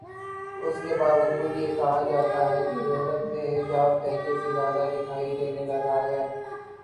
اس کے باوجود یہ کہا جاتاہے کہ یورپ میں حجاب پہلے سے زیادہ دکھائی دینے لگا ہے۔